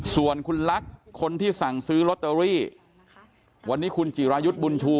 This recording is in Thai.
ส่วนคุณลักษณ์คนที่สั่งซื้อลอตเตอรี่วันนี้คุณจิรายุทธ์บุญชู